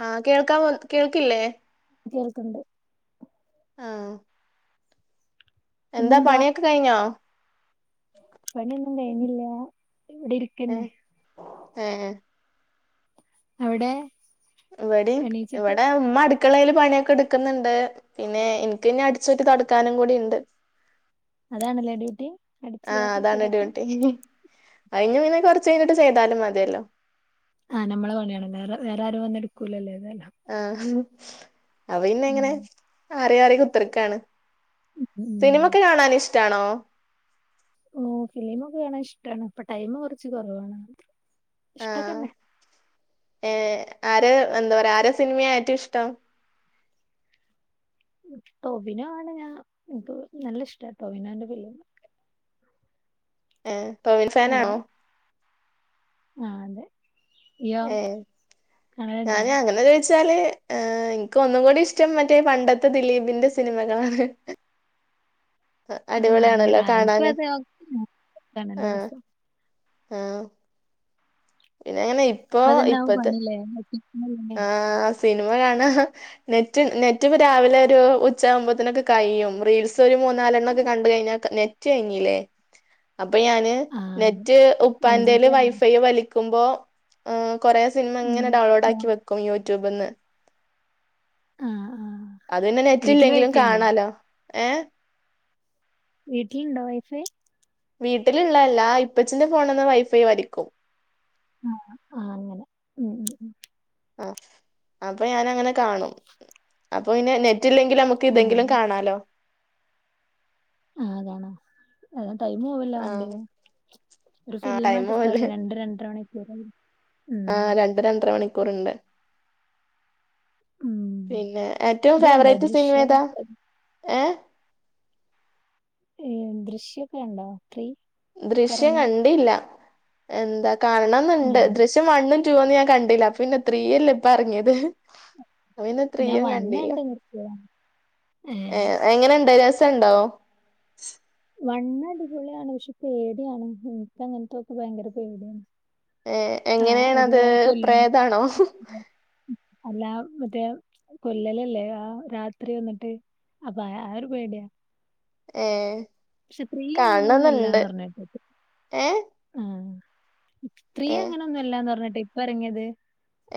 ആഹ് കേൾക്കാൻ കേൾക്കില്ലേ കേൾക്കണ്ട് ആഹ് എന്താ പണിയൊക്കെ കഴിഞ്ഞോ? പണിന്നും കഴിഞ്ഞില്ല ഇവിടെ ഇരിക്കന്നെ ഏ അവ്ടെ ഇവടിം ഇവിടെ ഉമ്മ അടുക്കളേല് പണിയൊക്കെ ഇട്ക്കുന്നുണ്ട് പിന്നെ ഇൻക്ക് ഇഞ്ഞി അടിച്ചോരി തോടക്കാനും കൂടി ഉണ്ട്. അതാണല്ലേ ഡ്യൂട്ടി അടിച്ചു വരൽ തുടക് അയിന് പിന്നെ കുറച്ച് കഴിഞ്ഞിട്ട് ചെയ്താലും മതിയല്ലോ? ആഹ് നമ്മള പണിയാണ് വേറെ വേറെ ആരും വന് എടുക്കൂലല്ലേ? ആഹ അവ പിന്നെ എങ്ങനെ ആറി ആറി കുത്തിർക്കാണ്. ഉം സിനിമൊക്കെ കാണൻ ഇഷ്ട്ടാണോ? ഓ ഫിലിമൊഒക്കെ കാണാന് ഇഷ്ട്ടാണ് ഇപ്പൊ ടൈം കുറച്ച് കുറവാണ്. ആ ഇഷ്ടൊക്കെന്നെ ഏ. ആര് എന്താ പറയാ ആരെ സിനിമയാ യേറ്റുഷ്ടം? ടോബിനോ ആണ് ഞാൻ ന്ക്ക് നല്ല ഇഷ്ട ടോബിനോന്റെ ഫിലീമൊക്കെ. ഏ [unintelligible] ഹലോ ഫേനാണോ? ആ അതെ. ഇയ്യോ കാണല്ണ്ടോ? [unintelligible] ല് ഇന്ക്ക് ഒന്നും കൂടിഷ്ടം മറ്റേ പണ്ടത്തെ ദിലീപിന്റെ സിനിമകളാണ്. ആ അങ്ങനെ അടിപൊളിയാണല്ലോ ആ എനിക്കും കാണാന് അത് കാണാൻ നല്ല ആ. രസാ ആ. പിന്നെ ഞാൻ ഇപ്പോ ഇപ്പ അതന്നെ ആവും ഇപ്പത്തെ. പണില്ലേ ഒറ്റയ്ക്കിരുന്നല്ലേ. ആ. സിനിമ കാണാ നെറ്റ് നെറ്റ് [unintelligible] രാവിലെ ഒരു ഉച്ചകുമ്പോത്ത്നൊക്കെ കഴിയും റീൽസ് ഒരു. മൂന്നാലെണ്ണോക്കെ കണ്ട് കഴിഞ്ഞാ നെറ്റ് കഴിഞ്ഞിലേ. [inaudible] അപ്പ യാന് ആ നെറ്റ് ഉപ്പാന്റെല് മഞ്ചേരി വൈഫൈ വലിക്ക്മ്പോ. ആ കൊറേ ഉം. സിനിമങ്ങനെ ഇണ്ടോ? ഡൗൺലോഡാക്കി വെക്കും യൂട്യൂബ്ന്ന്‌. ആ, ആ. അത് [unintelligible] ന്നെ വീട്ടില് നെറ്റ്ല്ലെങ്കിലും വൈഫൈ ഉണ്ടോ? കാണാലോ ഏ. വീട്ടില്ണ്ടോ വൈ ഫൈ? വീട്ട്ല്ള്ളല്ല ഇപ്പച്ചിന്റെ ഫോണ്ന്ന്‌ വൈ ഫൈ വലിക്കും. ആ ആ അങ്ങനെ ഉം. [unintelligible] ആ അപ്പ ഞാനങ്ങനെ കാണും അപ്പൊ പിന്നെ നെ. [unintelligible] ല്ലെങ്കിൽ നമ്ക്ക് ആ, ഇതെങ്കിലും കാണാലോ? ആ അതാണ്. [unintelligible] ടൈം പോവല്ലേ ആ വാണ്ടിത് ഒരു ആ ഫിലിം ടൈം ആണ്ട്ട്ടാല് പോവല്ലേ രണ്ട് രണ്ടര മണികൂ. [unintelligible] ആ രണ്ടര രണ്ടര മണിക്കൂറ്ണ്ട്. ഉം. പിന്നെ ഏറ്റവും ഇത് കണ്ടോ ഫേവറേറ്റ് ദൃശ്യം? സിനിമേതാ? ഏ. ഏ ദൃശ്യൊക്കെണ്ടോ ത്രീ? ദൃശ്യം പറഞ്ഞ കണ്ടില്ല എന്താ കാണണംന്ണ്ട് ഞാൻ ദൃശ്യം വണ്ണ് റ്റു ഒന്ന് ഞാൻ കണ്ടില്ല പിന്നെ ത്രീയല്ലേ ഇപ്പ എർങ്ങേത്. [unintelligible] പിന്നെ ഞാൻ ത്രീയും വണ്ണ് കണ്ടില്ലാ കണ്ട് നിർത്തിയതാ. ഏ എങ്ങനെണ്ട് രസ [unintelligible] ണ്ടോ? വണ്ണ് അടിപൊളിയാണ് പക്ഷെ പേടിയാണ് ഇൻക് അങ്ങൻത്തോക്കെ ഭയങ്കര പേടിയാണ്. ഏ ആ, ഒരു എങ്ങനെണത് കൊല്ലും പ്രേതാണോ? അല്ലാം മറ്റേ. കൊല്ലലല്ലേ ആ രാത്രി വന്നിട്ട് അപ്പാ ആ ഒരു പേട്യ. ഏ. പക്ഷെ ത്രീ കാണണംന്നുണ്ട് അങ്ങനൊന്നുല്ലാന്ന് പറഞ്ഞേട്ട് ഏ ആഹ്. ത്രീ ഏ അങ്ങനൊന്നുല്ലാന്നറിഞ്ഞേട്ട് ഇപ്പറങ്ങിത്.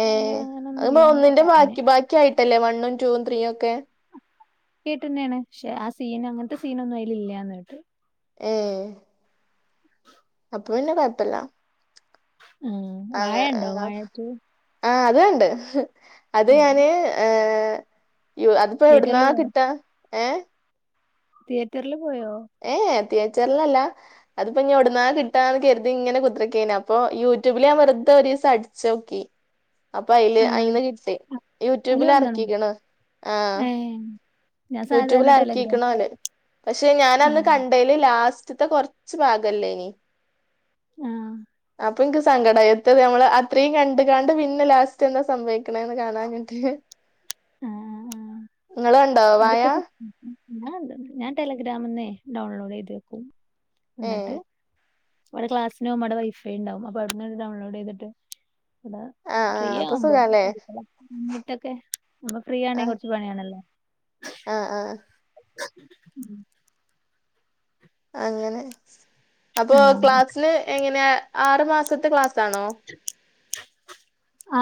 ഏ അത് ഒന്നിന്റെ പറഞ്ഞ് ബാക്കി ബാക്കി ആയിട്ടല്ലേ വണ്ൺും, റ്റുവും, ത്രീ ഒക്കെ. കേട്ടന്നെയാണ് ക്ഷെ ആ സീൻ അങ്ങൻത്ത് സീനൊന്നും അയിലില്ല്യാന്ന് കേട്ട്. ഹേ. [inaudible] [unintelligible] പ്പോ പിന്നെ കൊയപ്പല്ല ആ വാഴ അതെ ഉണ്ടോ ആഹ് വാഴ ടു ആ. ണ്ട് ഹ് അത് ഞാന് ഏ യോ അത്പ്പ തിയേറ്ററിൽ എവ്ട്ന്നാ കിട്ടാ ഏഹ്? തിയേറ്റർൽ. ഏ എ തിയേ റ്റർലല്ല അതിപ്പോഞ്ഞ് ഒട്ന്നാ കിട്ടാന്ന് കരുതിങ്ങനെ കുത്രക്കേന് അപ്പൊ യൂട്യൂബിൽ ഞാൻ വെറുതൊര് സട്ച്ചോക്കി അപ്പൊ അയില് ആ അയിന്ന് കിട്ടി. അതില് യൂട്യൂബില് വന്നോ അർക്കിക്ക്ണ് ആഹ്. ഏ ഞാൻ സാധാരണ ടെലഗ്രാം യൂട്യൂബിലർക്കീക്കണോല് പക്ഷെ ആ ഞാനന്ന് കണ്ടേല് ലാസ് കുറച്ചു പാകം മില്ലായിരുന്നു ആഹ അപ്പൊ ൻക്ക് സങ്കടായി, എത്താത് നമ്മള് അത്രയു കണ്ടുകാണ്ട് പിന്നെ ലാസ്റ്റ് എന്താ സംഭവിച്ചത്എന്ന് കാണാഞ്ഞിട്ട്. അ അഹ് ഇങ്ങള എന്നാൽ ഇപ്പോ ഞാൻ ടെലിഗാമിൽ നിന്ന് ഡൗൺലോഡ് ചെയ്യും. ഏ ഇന്ന്ട്ട് അവിടെ ക്ലാസ്സിനു പോകുമ്പോൾ അവിടെ വൈഫൈ ഉണ്ടാവും, അപ്പൊ അവിടുന്നു ഡൗൺലോഡ് ചെയിതു വെക്കും എവിടെ ആ ആ ഫ്രീ അപ്പൊ ആവുമ്പോ സുഖാല്ലേ എന്നിട്ടൊക്കെ. നമ്മൾ ഫ്രീ ആണേൽ കുറച്ചു പണിയണല്ലേ? ആഹ് ആഹ. ഉ [inaudible] അങ്ങനെ അപ്പോ ആഹ് ക്ലാസിന് എങ്ങനെയ ആറു മാസത്തെ ക്ലാസ് ആണോ?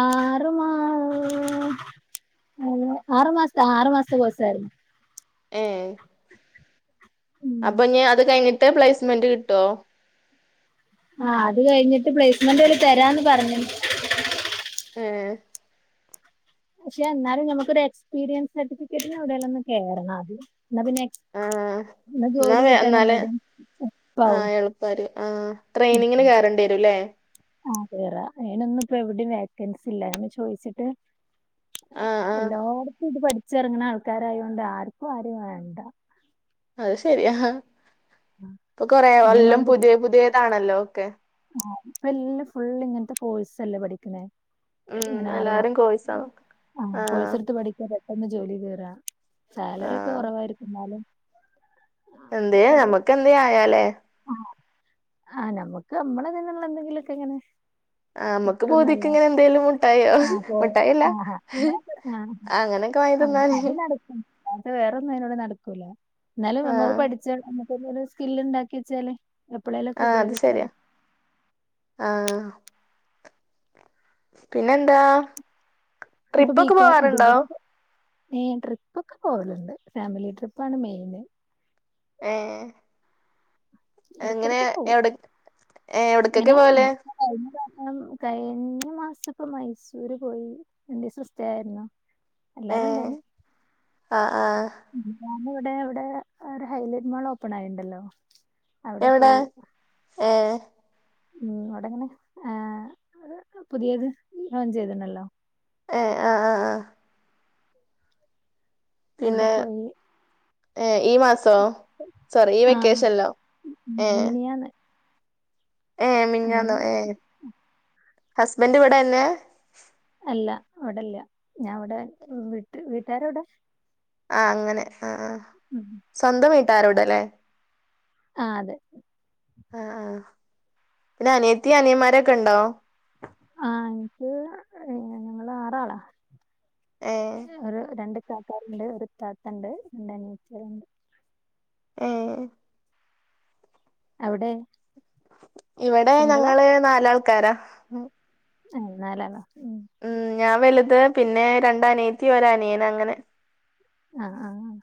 ആറ് മാസം ഹ ആറ് മാസത്തെ കോഴ്സായിരുന്നു. ഏഹ അപ്പൊ ഇനി അതു കഴിഞ്ഞിട്ട് പ്ലേസ്മെന്റ് കിട്ടോ? ആഹ അത് കഴിഞ്ഞിട്ട് പ്ലേസ്മെൻ്റോല് തരാന്ന് പറഞ്ഞു ഏഹ പക്ഷെ എന്നാലും നമുക്കൊരു എക്സ്പീരിയൻ സർട്ടിഫിക്കറ്റിനു എവിടെയെങ്കിലും ഒന്ന് കേറണം. ഫസ്റ്റ് ന്നാ പിന്നെ ആ എന്നാ ന്ന ജോലി വേഗം കിട്ടാൻ നല്ല ഒന്നൂടി എളുപ്പാവും എളുപ്പംമായിരിക്കും ട്രെയിനിങ്ങിന് ഉണ്ട് ലെ ആ കേറാം അതിനു ഇപ്പോ എവിടെയും വേക്കൻസി ഇല്ല ചോദിച്ചിട്ട് ആ ആ എല്ലായിടത്തും ഇതു പഠിപ്പിക്കുകയാണ് അതിനു ചേരുന്ന ആൾക്കാരായോണ്ട് ആർക്കു ആരെയും വേണ്ട. അത് ശരിയാ. ഇപ്പൊ കൊറെ ഇനി എല്ലാതും നമ്മളത് പുതിയ പുതിയതാണല്ലോ ഒക്കെ. അപ്പോ എല്ലാം ഫുൾ ഇങ്ങനത്തെ കോയ്സല്ലേ പഠിക്കുന്നെ ഉം ഇങ്ങനെ എല്ലാരും ആറുമാസം കോഴ്സാ ആഹ് കോയ്സടുത്ത് പഠിക്കുന്നത് പെട്ടന്ന് ജോലിയിൽ കേറാം സാലറിയൊക്കെ കുറവായിരിക്കും എന്തെ നമ്മുക്ക് എന്തെങ്കിലും ആയാലെ ആഹ നമ്മുക്ക് നമ്മളതിന്നുള്ള എന്തെങ്കിലൊക്കെങ്ങനെ. ആഹ് നമ്മക്ക് പൂതിക്ക് കിട്ടുന്നല്ലോ. ഇങ്ങനെ എന്തേലും മുട്ടായോ അതെ മുട്ടായില്ല ആഹ ആ അങ്ങനെയൊക്കെ വാങ്ങി തിന്നാന് അത്അത് നടക്കും. അത് വേറെൊന്നും അതി നോട് നടക്കൂല. നമ്മുക്ക് ആഹ് പഠിച്ച നമ്മുക് ഒരു സ്കില്ലുണ്ടാക്കിയെച്ചാല് എപ്പോയെങ്കിലും ആഹ് അത് ഉപയോഗിക്കാം ശരിയാ ആഹ. പിന്നെന്താ ട്രിപ്പൊക്കെ പോവാറുണ്ടോ? മ് ട്രിപ്പൊക്കെ പോവലുണ്ട്. ഫാമിലി ട്രിപ്പാണ് മെയിന്. ഏ എങ്ങനെ ഇടക്കിടക്ക് പോവും എവിടെ? ഏഹ് എവിടക്കൊക്കെ ഇങ്ങനെ പോവല് ആ കഴിഞ്ഞ മാസം ഇപ്പോൾ മൈസൂര് പോയി എന്റെ സിസ്റ്റർആയിരുന്നു എല്ലാരും ഏഹ് ഉണ്ടായിരുന്നു ആഹ് ആഹ് ഞാൻ ഇവിടെ എവിടെ ഒരു ഹൈലൈറ്റ് മാൾ ഓപ്പൺ ആയിണ്ടല്ലോ അവിടെ എവിടെ ഉ അവിടെങ്ങനെ ആ പുതിയത് ലോ ൺ ചെയ്തണല്ലോ ഏ ആഹ ആഹ് ആഹ അവിടെ പിന്നെ പോയി ഏഹ് ഈ മാസോ സോറി ഈ ആ വെക്കേഷന്ല്ലോ ഏഹ് മിനിയാന്ന് ഏഹ് അങ്ങനെ മിന്ഞ്ഞാന്നോ ഏഹ് ഹസ്ബന്റ് ഇവിടെന്നെ അല്ല അവിടല്ല ഞാൻ ഇവിടെ വിട്ട് വീട്ടുകാര കൂടെ ആഹ് അങ്ങനെ ആ സ്വന്തം വീട്ടാരോടല്ലേ ആഹ് അതെ ആഹ് ആഹ് പിന്നെ അനിയത്തി അനിയന്മാരൊക്കെ ഉണ്ടോ? ആഹ് എനിക്ക് ഞങ്ങള് ആറാളാ ഏഹ് ഒരു രണ്ട് ഇത്താരുണ്ട് ഒരു ഇതാത്തണ്ട് രണ്ട് അനിയത്തിയോള്ണ്ട് ഏഹ് അവിടെ? ഇവിടെ സിംഗിളാ ഞങ്ങള് നാലാൾക്കാരാ. ഏഹ് നാലാള്ളൊ ഉം ഉം ഞാൻ വലുത്. പിന്നെ രണ്ട് അറിയത്തി ഒര് അനിയൻഅങ്ങനെ അഹ് ആഹ് ആഹ്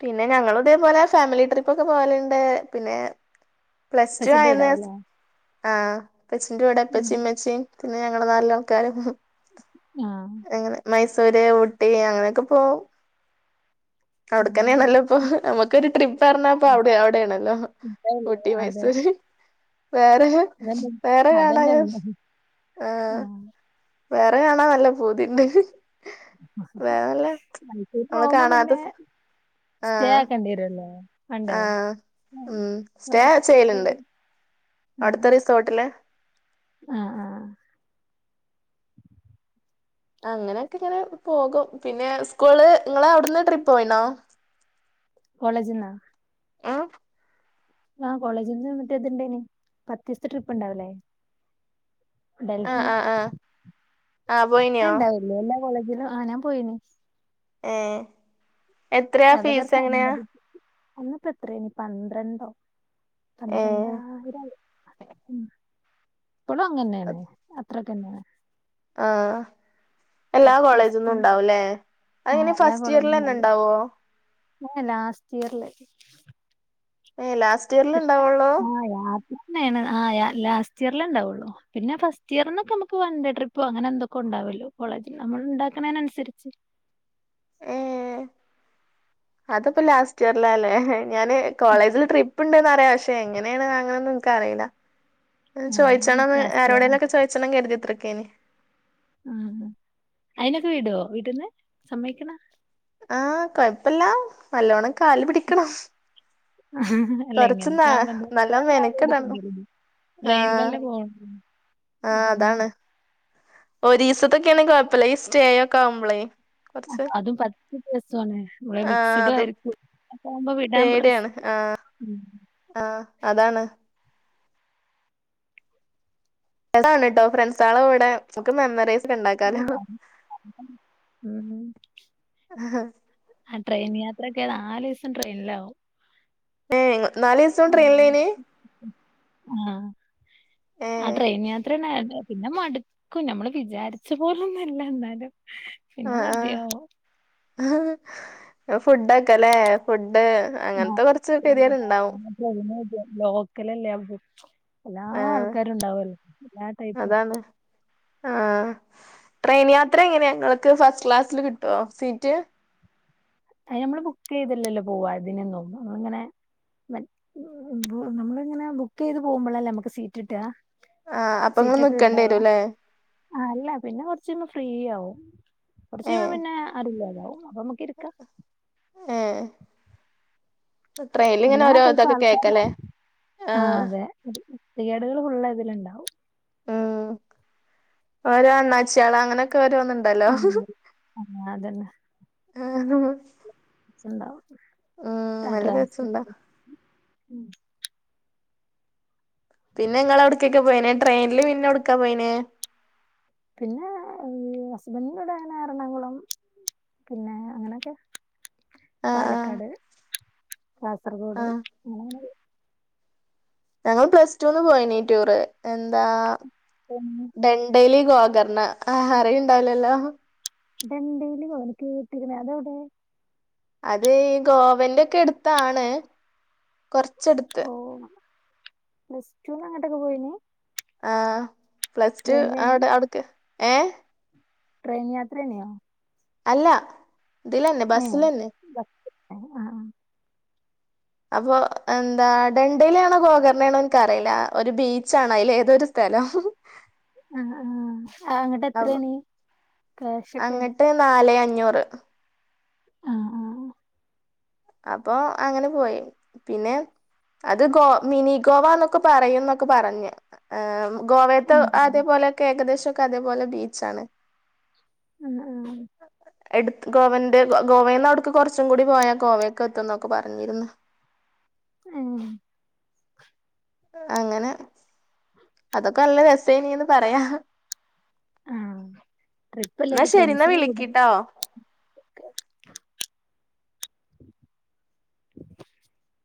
പിന്നെ ഞങ്ങുതേ പോലെ ഫാമിലി ട്രിപ്പ് ഒക്കെ പോവല്ണ്ട് പിന്നെ പ്ലസ് ടു ഉപ്പച്ചിന്റെ ആയെന്ന് വീടാവൂലേ ആഹ് ഇപ്പച്ചിന്റെ കൂടെ ഉം ഇപ്പച്ചിം ഇമ്മച്ചിം പിന്നെ ഞങ്ങള് നാലാൾക്കാരും ആഹ് അങ്ങനെ മൈസ മയ് സൂര്ഊട്ടി അങ്ങനെയൊക്കെ പോവും. ആഹ് അവിടെക്കന്നേണല്ലോ ഇപ്പൊ. നമുക്കൊരു ട്രിപ്പ് പറഞ്ഞാപ്പം അവിടെ അവിടേണല്ലോ ഊട്ടി അതെ മൈസൂര് വേറെ അതന്നെ വേറെ അതന്നെ കാണാന് ആഹ് വേറെ കാണാ നല്ല പൂതിണ്ട് വേറെല്ല മയ്സൂര്ക്ക് നമ്മള് പോവുമ്പോ കാണാത്ത പിന്നെ സ്റ്റേ ആഹ് ആക്കണ്ട്യെരൊല്ലോ ആഹ് ഉം സ്റ്റേ സ്ഥലല്ലേ ചെയ്യല്ണ്ട് അടുത്ത റിസോട്ടില് അഹ് ആഹ് അങ്ങനെ ഒക്കെ ഇങ്ങനെ പോകും. പിന്നെ സ്കൂള് ഇങ്ങെളെ ഔട്ന്ന് ട്രിപ്പ് പോയിണോ കോളേജ് ന്നോ ഉം ആഹ് കോളേജ് ന്ന് മറ്റേത്ണ്ടായ്നി. പത്തിസ്ത്തെ ട്രിപ്പ് ഇണ്ടാവ് ലെ. ആഹ് ഡൽഹി ആഹ് ആഹ് ആഹ് അഹ് പോയിനോ ഇണ്ടാവുലല്ലൊ കോളേജില് ആഹ് ഞാൻ പോയിനി ഏഹ് എത്രെ ഫീസ് എങ്ങനെയാ അന്ന്പ്പെത്രേനി പന്ത്രണ്ടണ്ടൊ ഏഹ് പന്ത്രണ്ടായിര [unintelligible] ഉം ഇപ്പളും അങ്ങന്നേണ്. അത്രൊക്കെന്നെണ് ആഹ് എല്ലാ കോളേജിന്നും പത്തീസത്തിന് ഉണ്ടാവല്ലേ ആ അതെങ്ങനെ ഫസ്റ്റ് ഇയറിൽ തന്നെ ഉണ്ടാവോ ഇല്ല ലാസ്റ്റ് ഇയറില് ഏയ് ലാസ്റ്റ് ഇയറില് ഇണ്ടാവള്ളോ ന ആ ലസ്റ്റ് ഇയറിലേണ്ടാവുള്ളു പിന്നെ ഫസ്റ്റ് ഇയറിൽ നിന്ന് നമക്ക് വൺ ഡേ ട്രിപ്പും അങ്ങനെ എന്തൊക്കെ ഉണ്ടാവും കൊല്ലുംകോളേജ്നമ്മൾ ഉണ്ടാക്കുന്നേനുസരിച്ച് ഏ അതപ്പോ ലാസ്റ്റ് ഇയർലല്ലേ ഞാന് കോളേജിന്ന് ട്രിപ്പ് ഉണ്ടെന്നറിയാം പക്ഷെ എങ്ങനെയാണ് അങ്ങനൊന്നു എനിക്കറിയില്ല മം ആ ചോയിച്ചോണന്ന് ലാസ്റ്റ് ഇയർ ആരോടേലൊക്കെ ചോയിച്ചണം കരുതീട്ടിരിക്കാരുന്നു ആണോ അയിനൊക്കെ വിടോ വീട്ടന്ന് സമ്മയിക്കണോ ആ കൊയപ്പില്ല നല്ലോണം കാല് പിടിക്കണം അല്ല കൊറച്ച് ന ഇങ്ങനത്തെയാവുമ്പോ എന്താ നേര നല്ല [unintelligible] കാലുപിടിക്കേണ്ടി മെനക്കെടണം വരും ട്രെയിനിലല്ലേ പോവ ആ അതാണ് ഒരീസത്തെക്കൊയാണെ കൊയപ്പില്ല ഈ സ്റ്റേ ഒക്കെ ആവുമ്പളേ കൊറച്ച് അതും പത്തുദിവസ സാണ് [unintelligible] ആഹ് മിക്സഡും അത് ആയിരിക്കും അതാവുമ്പോ വിടാൻ [unintelligible] ആ അതാണ് നല്ലതാണ്ട് ട്ടോ ഫ്രണ്ട്സാൾടെ കൂടെ മ്മക്ക് മെമ്മറീസ് ഒക്കെ ഇണ്ടാക്കാലോ [inaudible] ആ ട്രെയിൻ യാത്രയൊക്കെ നാലീസം ട്രെയിനിലാവും ഏ നാലീസോം ആ ട്രെയിനിലേനി ആ ആ ഏഹ് ട്രെയിൻ യാത്രേണ് പിന്നെ മടുക്കും ഞമ്മള് വിചാരിച്ച പോലൊന്നും അല്ല ന്നാലും പിന്നെ മതിയാവും ആ ഫുഡൊക്കല്ലേ ഫുഡ് ഡ് ആ അങ്ങനത്തെ കൊറച്ച് ഗെതേട് ണ്ടാവും ട്രെയിന് ലോക്കലല്ലേ അപ്പൊ എല്ലാ ആഹ് ആൾക്കാരും ണ്ടാവല്ലോ എല്ലാ ടൈപ്പ് ആ ട്രെയിൻ യാത്രെങ്ങനെ ഇങ്ങക്ക് ഫസ്റ്റ് ക്ലാസില് കിട്ടോ സീറ്റ് അയിന് മ്മള് ബുക്ക് ചെയ്തില്ലല്ലോ പോവാൻ തിനൊന്നും മ്മളിങ്ങനെ മറ്റ് നമ്മളിങ്ങനെ ബുക്ക് ചെയ്ത് പോവുമ്പളല്ലേ മ്മക്ക് സീറ്റ് കിട്ടാ ആ അപ്പൊ ങ്ങള് നിക്കണ്ടിരും ല്ലേ ആ അല്ല പിന്നെ കൊറച്ചയ്യുമ്പോ ഫ്രീയാവും കൊറച്ച് കയ്യുമ്പോ ഏഹ് പിന്നെ ആരും ഇല്ലാതാവും അപ്പമ്മക്ക് ഇരിക്ക ഏ എല്ലാ ടൈപ്പ് ആൾക്കാരും കേക്കല്ലേ ആ ആഹ് അതെ ത്തികേടുകള് ഫുള്ള് ഇതില്ണ്ടാവും ഉംആ ഓരോ അണ്ണാച്ചികള് അങ്ങനൊക്കെ വ രോന്നുണ്ടല്ലോ ഉം, ആ, അതന്നെ ആ ണ്ടാവും ആ രസണ്ടാ [unintelligible] പിന്നെ ഇങ്ങള് എവിടെക്കൊക്കെ പോയീനെ ട്രെയിനില് പിന്നെ എവിട്ക്ക പോയീനേ പിന്നെ ഏ ഹസ്ബൻറിന്റൂടെ അങ്ങനെ എറണാകുളം പിന്നെ അങ്ങനൊക്കെ ആഹ് ആഹ് പാലക്കാട്, കാസർഗോഡ് ആഹ് അങ്ങനങ്ങനെ പോയി ഞങ്ങൾ പ്ലസ്ടൂന് പോയീന്ന് ടൂറ് എന്താ അങ്ങനെ ഡെണ്ടല് ഗോകർണ ആ അറിയുണ്ടാവ് ലല്ലോ ഡെണ്ടയില് പോയോന്ന് കേട്ടിരുന്ന് അതെവിടെ അത് ഈ ഗോവന്റൊക്കെടുത്താണ് കൊറച്ചെടുത്ത് പ്ലസ്റ്റൂന് അങ്ങോട്ടൊക്കെ പോയീന് ആ പ്ലസ്ടു അവിടെ അവിട്ക്ക് ഏ ട്രെയിൻ യാത്ര യ്നോ അല്ല ഇതിലെന്നെ ബസ്സിലെന്നെ ബസ്. ആ ആ അപ്പൊ എന്താ ഡെണ്ടയിലാണോ ഗോകർണാണോ ൻക്കറില്ല ഒരു ബീച്ചാണ് അയിലേതൊരു സ്ഥ ഹലോ ആ ആ അങ്ങട്ട് എത്രേണ് കാശൊക്കെ ഞ്ഞൂറ് ആ ആ അപ്പൊ അങ്ങനെ പോയി പിന്നെ അത് ഗോ മിനി ഗോവ ന്നൊക്കെ പറയും ന്നൊക്കെ പറഞ്ഞ് ഏ ആഹ് ഗോവേത്തെ അതേപോലെക്കെ ഏകദേശൊക്കെ അതേപോലെ ബീച്ചാണ് ആ ആ എടുത്ത് ഗോവണ്ട് ഗോവേന്ന് അവ്ട്ന്ന് കൊർച്ചും കൂടി പോയാ ഗോവെ ക്ക്ത്തും ന്നൊക്കെ പറഞ്ഞിര്ന്ന് ഉം അങ്ങനെ അതൊക്കെ നല്ല രസേന് ന്ന് പറയാ ആഹ് എന്നാ ട്രിപ്പല്ലേലും ശരി എന്നാ ഫ്രണ്ട്സെല്ലാം വിളിക്കിട്ടോ [inaudible] [inaudible]